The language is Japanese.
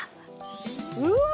うわ！